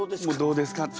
どうですかって。